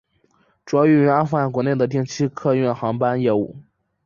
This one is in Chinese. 主要运营阿富汗国内的定期客运航班以及部分区域性国际航班业务。